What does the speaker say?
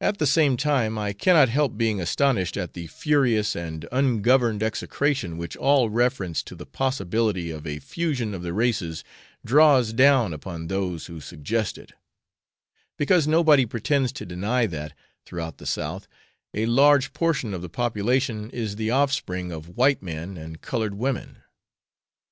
At the same time, I cannot help being astonished at the furious and ungoverned execration which all reference to the possibility of a fusion of the races draws down upon those who suggest it; because nobody pretends to deny that, throughout the South, a large proportion of the population is the offspring of white men and coloured women.